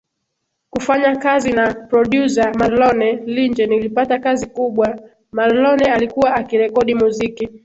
kufanya kazi na prodyuza Marlone Linje nilipata kazi kubwa Marlone alikuwa akirekodi muziki